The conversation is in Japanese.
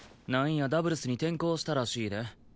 なんやダブルスに転向したらしいで。